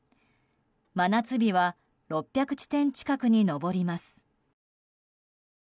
真夏日は６００地点近くに上ります。